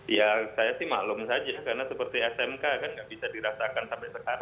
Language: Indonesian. ya saya sih maklum saja karena seperti smk kan nggak bisa dirasakan sampai sekarang